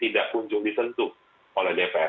tidak kunjung disentuh oleh dpr